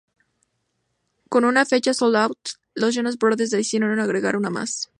Con una fecha" Sold Out", los Jonas Brothers decidieron agregar una más.